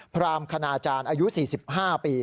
พรามคณาจารย์อายุ๔๕ปี